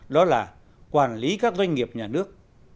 đó là quản lý các doanh nghiệp nhà nước